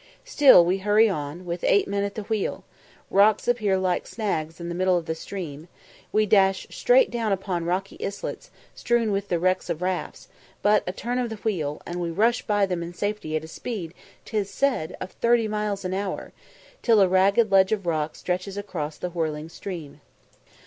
Still we hurry on, with eight men at the wheel rocks appear like snags in the middle of the stream we dash straight down upon rocky islets, strewn with the wrecks of rafts; but a turn of the wheel, and we rush by them in safety at a speed ('tis said) of thirty miles an hour, till a ragged ledge of rock stretches across the whirling stream.